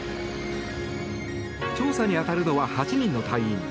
調査に当たるのは８人の隊員。